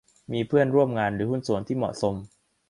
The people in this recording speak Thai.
มีเพื่อนร่วมงานหรือหุ้นส่วนที่เหมาะสม